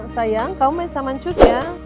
sayang kamu main sama njus ya